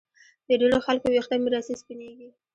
د ډېرو خلکو ویښته میراثي سپینېږي